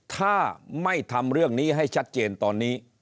ถ้าไม่ทำเรื่องนี้ให้ชัดเจนตอนนี้